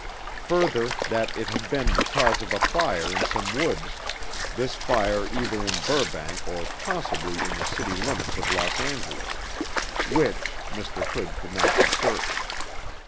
Further, that it had been the cause of a fire in some woods, this fire either in Burbank or possibly in the city limits of Los Angeles, which Mr. Hood could not be certain.